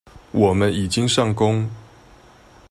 我們已經上工